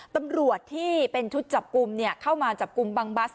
ตำรวจที่เป็นชุดจับกลุ่มเข้ามาจับกลุ่มบังบัส